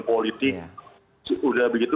politik sudah begitu